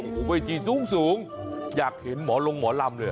อุ้ยวิธีสูงอยากเห็นหมอลงหมอลำด้วย